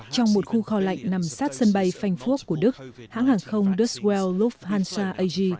trong một khu kho lạnh nằm sát sân bay phanh phuốc của đức hãng hàng không duzwell lufthansa ag